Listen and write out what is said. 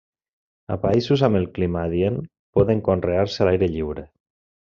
A països amb el clima adient, poden conrear-se a l'aire lliure.